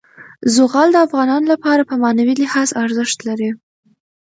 زغال د افغانانو لپاره په معنوي لحاظ ارزښت لري.